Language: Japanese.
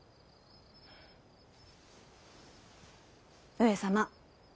上様。